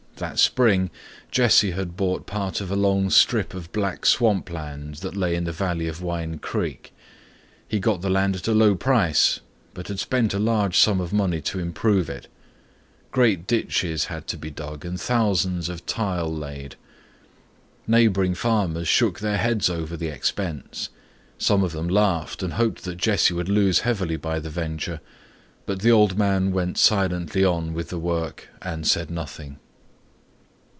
That spring, Jesse had bought part of a long strip of black swamp land that lay in the valley of Wine Creek. He got the land at a low price but had spent a large sum of money to improve it. Great ditches had to be dug and thousands of tile laid. Neighboring farmers shook their heads over the expense. Some of them laughed and hoped that Jesse would lose heavily by the venture, but the old man went silently on with the work and said nothing.